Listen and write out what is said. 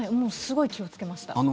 すごい気をつけました。